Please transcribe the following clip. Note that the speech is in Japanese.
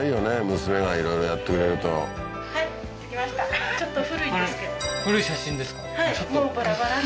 娘がいろいろやってくれると古い写真ですか？